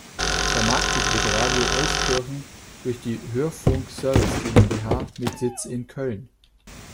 Vermarktet wird Radio Euskirchen durch die "Hörfunk Service GmbH" mit Sitz in Köln.